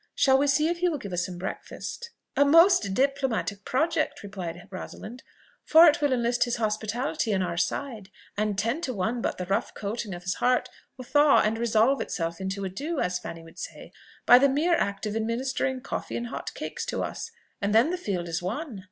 Shall we see if he will give us some breakfast?" "A most diplomatic project!" replied Rosalind; "for it will enlist his hospitality on our side, and ten to one but the rough coating of his heart will thaw and resolve itself into a dew, as Fanny would say, by the mere act of administering coffee and hot cakes to us; and then the field is won."